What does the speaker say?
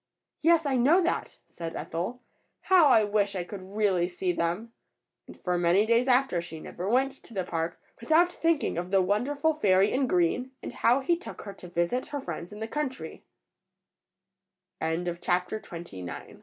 "Yes, I know that," said Ethel, "how I wish I could really see them!" And for many days after she never went to the park without thinking of the wonderful fairy in green, and how he took her to visit her frie